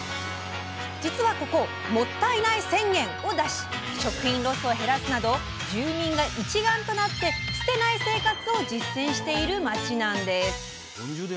実はここ「もったいない宣言」を出し食品ロスを減らすなど住民が一丸となり捨てない生活を実践している町なんです。